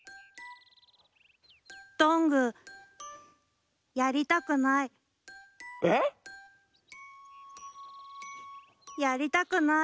どんぐーやりたくない。え？やりたくない。